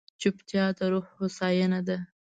چپتیا، د روح هوساینه ده.